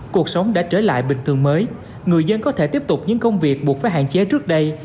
cuộc sống đã trở lại bình thường mới người dân có thể tiếp tục những công việc buộc phải hạn chế trước đây